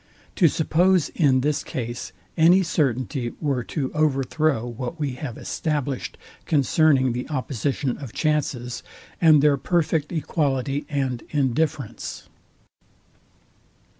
To, suppose in this case any certainty, were to overthrow what we have established concerning the opposition of chances, and their perfect equality and indifference.